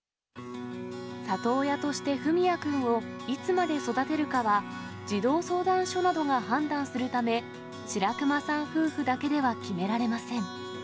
里親として文也君をいつまで育てるかは、児童相談所などが判断するため、白熊さん夫婦だけでは決められません。